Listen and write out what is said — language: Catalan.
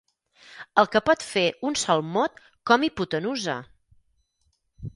El que pot fer un sol mot com hipotenusa!